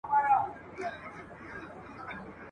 د وطن په یاد، دا نسبتاً اوږده غزل ولیکله: ..